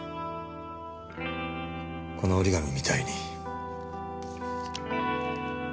この折り紙みたいに。